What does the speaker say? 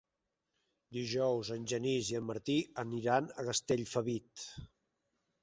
Dijous en Genís i en Martí aniran a Castellfabib.